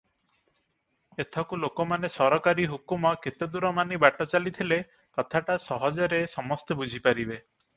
ଏଥକୁ ଲୋକମାନେ ସରକାରୀ ହୁକୁମ କେତେଦୂର ମାନି ବାଟ ଚାଲିଥିଲେ କଥାଟା ସହଜରେ ସମସ୍ତେ ବୁଝିପାରିବେ ।